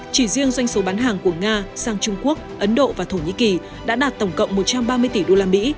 chỉ riêng doanh số bán hàng của nga sang trung quốc ấn độ và thổ nhĩ kỳ đã đạt tổng cộng một trăm ba mươi tỷ usd